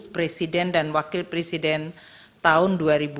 presiden dan wakil presiden tahun dua ribu dua puluh